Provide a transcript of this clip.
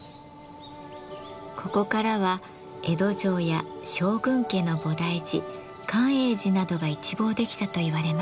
ここからは江戸城や将軍家の菩提寺寛永寺などが一望できたといわれます。